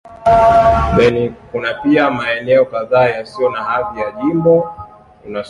Kuna pia maeneo kadhaa yasiyo na hadhi ya jimbo.